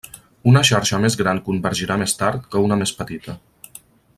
Una xarxa més gran convergirà més tard que una més petita.